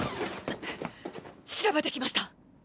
調べてきました！